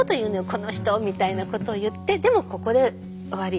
この人」みたいなことを言ってでも「ここで終わり。